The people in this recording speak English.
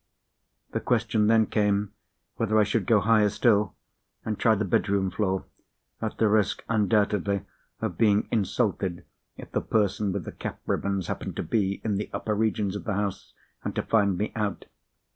The question then came, whether I should go higher still, and try the bedroom floor—at the risk, undoubtedly, of being insulted, if the person with the cap ribbons happened to be in the upper regions of the house, and to find me out.